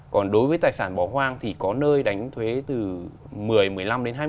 còn đối với tài sản bỏ hoang thì có nơi đánh thuế từ một mươi một mươi năm đến hai mươi